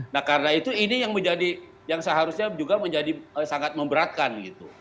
nah karena itu ini yang seharusnya juga menjadi sangat memberatkan gitu